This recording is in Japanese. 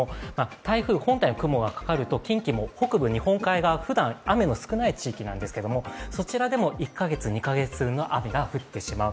台風本体の雲がかかると近畿も北部日本海側、ふだん、雨の少ない地域なんですけれども、そちらでも１か月、２か月分の雨が降ってしまう。